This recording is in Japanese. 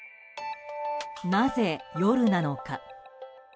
なぜ夜なのか。